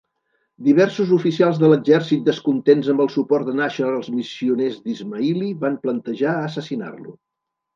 Diversos oficials de l'exèrcit, descontents amb el suport de Nasr als missioners d'Ismaili, van planejar assassinar-lo.